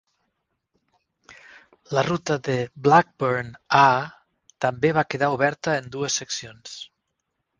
La ruta de Blackburn a també va quedar oberta en dues seccions.